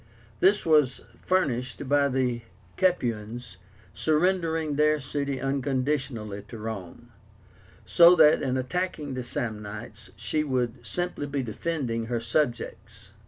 This was furnished by the Capuans surrendering their city unconditionally to Rome, so that, in attacking the Samnites, she would simply be defending her subjects.